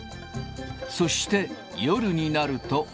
そして、夜になると。